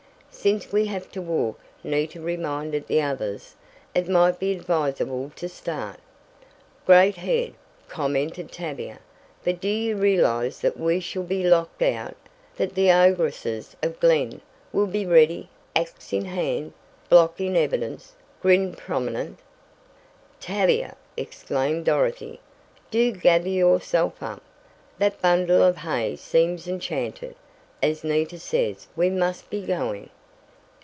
"Since we have to walk," Nita reminded the others, "it might be advisable to start." "Great head," commented Tavia, "but do you realize that we shall be locked out? That the ogresses of 'Glen' will be ready axe in hand, block in evidence, grin prominent " "Tavia!" exclaimed Dorothy, "do gather yourself up! That bundle of hay seems enchanted. As Nita says, we must be going."